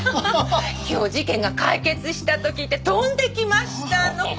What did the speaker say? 今日事件が解決したと聞いて飛んできましたの。